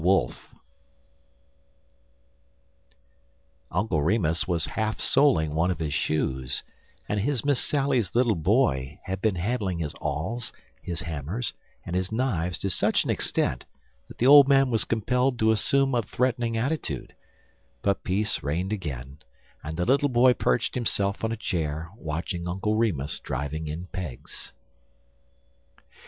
WOLF UNCLE REMUS was half soling one of his shoes, and his Miss Sally's little boy had been handling his awls, his hammers, and his knives to such an extent that the old man was compelled to assume a threatening attitude; but peace reigned again, and the little boy perched himself on a chair, watching Uncle Remus driving in pegs.